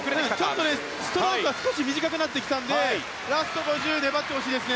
ちょっとストロークが短くなったのでラスト５０粘ってほしいですね。